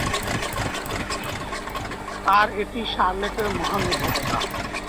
আর এটি শার্লেটের মহানুভবতা।